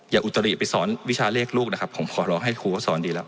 อุตริไปสอนวิชาเลขลูกนะครับผมขอร้องให้ครูก็สอนดีแล้ว